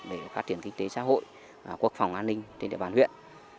để phát triển kinh tế xã hội quốc phòng an ninh trên địa bàn huyện